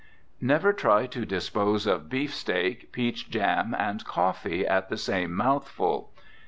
Never try to dispose of beefsteak, peach jam and coffee at the same mouthful.